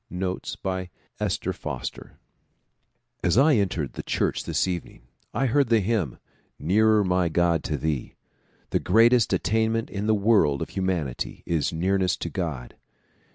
Notes by Esther Foster AS I entered the church this evening I heard the hymn '' Nearer my God, to Thee." The greatest attainment in the world of humanity is nearness to God.